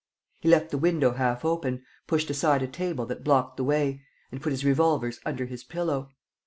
He left the window half open, pushed aside a table that blocked the way, and put his revolvers under his pillow.